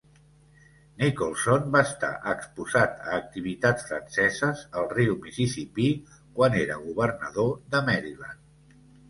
Nicholson va estar exposat a activitats franceses al Riu Mississipí quan era governador de Maryland.